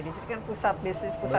di sini kan pusat bisnis pusat